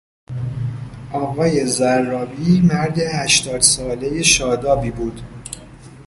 آقای ضرابی مرد هشتاد سالهی شادابی بود.